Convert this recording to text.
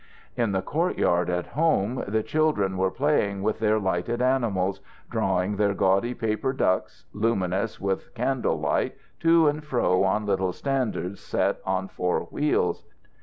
In the courtyard at home the children were playing with their lighted animals, drawing their gaudy paper ducks, luminous with candle light, to and fro on little standards set on four wheels.